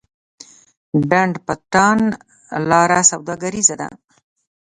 ډنډ پټان لاره سوداګریزه ده؟